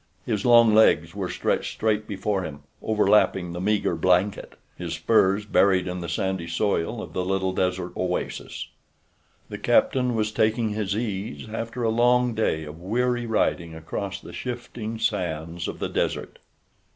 His long legs were stretched straight before him overlapping the meager blanket, his spurs buried in the sandy soil of the little desert oasis. The captain was taking his ease after a long day of weary riding across the shifting sands of the desert.